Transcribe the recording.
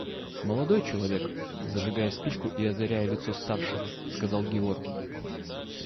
– Молодой человек, – зажигая спичку и озаряя лицо старшего, сказал Георгий.